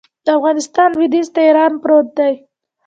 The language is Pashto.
د افغانستان لویدیځ ته ایران پروت دی